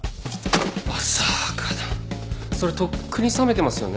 それとっくに冷めてますよね？